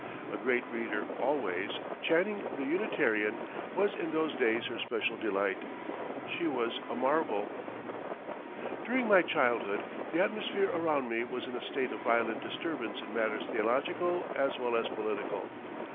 A great reader, always, Channing the Unitarian was in those days her special delight. She was a marvel! [Illustration: ANDREW CARNEGIE'S MOTHER] During my childhood the atmosphere around me was in a state of violent disturbance in matters theological as well as political.